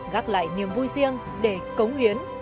gác lại niềm vui riêng để cống hiến